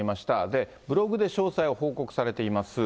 で、ブログで詳細を報告されています。